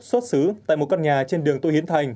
xuất xứ tại một căn nhà trên đường tô hiến thành